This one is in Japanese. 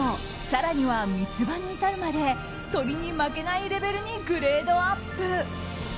更には、三つ葉に至るまで鶏に負けないレベルにグレードアップ。